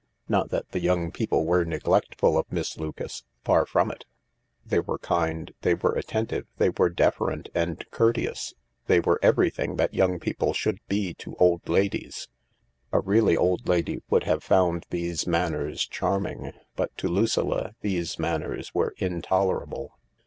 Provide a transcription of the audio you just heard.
Not that the young people were neglectful of Miss Lucas, Far from it. They were kind, they were attentive, they were deferent and courteous, they were everything that young people should be to old ladies. A really old lady would have found these manners charming, but to Lucilla these manners were intolerable.